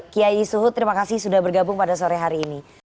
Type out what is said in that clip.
kiai suhut terima kasih sudah bergabung pada sore hari ini